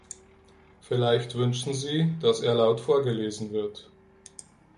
Vielleicht wünschen Sie, dass er laut vorgelesen wird.